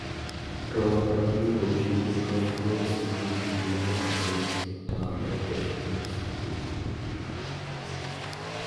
Pro laboratorní použití je komerčně dostupných mnoho takovýchto látek ve formě roztoků.